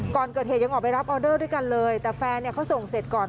ก่อนเกิดเหตุยังออกไปรับออเดอร์ด้วยกันเลยแต่แฟนเนี่ยเขาส่งเสร็จก่อน